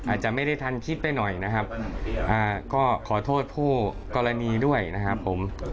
อาจจะไม่ได้ทันคิดไปหน่อยนะครับก็ขอโทษผู้กรณีด้วยนะครับผม